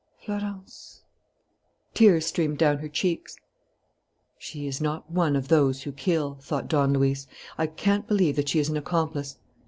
Florence " Tears streamed down her cheeks. "She is not one of those who kill," thought Don Luis. "I can't believe that she is an accomplice.